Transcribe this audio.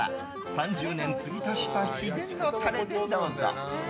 ３０年継ぎ足した秘伝のタレでどうぞ。